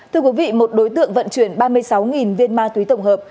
thưa quý vị một đối tượng vận chuyển ba mươi sáu viên ma túy tổng hợp